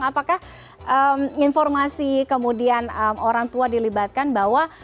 apakah informasi kemudian orang tua dilibatkan bahwa